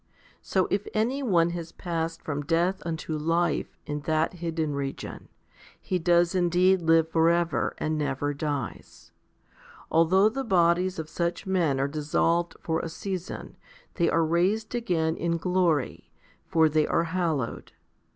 So if any one has passed from death unto life 3 in that hidden region, he does indeed live for ever, and never dies. Although the bodies of such men are dissolved for a season, they are raised again in glory, for they are hallowed.